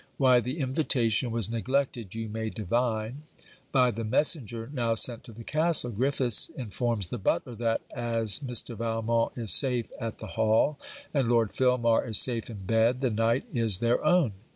Why the invitation was neglected you may divine. By the messenger now sent to the castle, Griffiths informs the butler that, as Mr. Valmont is safe at the hall, and Lord Filmar is safe in bed, the night is their own.